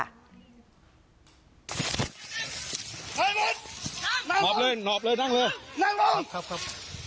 เห่ยเลย้อบเลยโน๊ตเร็วณ้าลมครับครับ